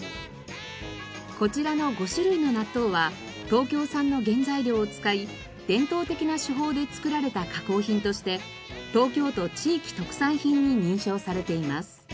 こちらの５種類の納豆は東京産の原材料を使い伝統的な手法で作られた加工品として東京都地域特産品に認証されています。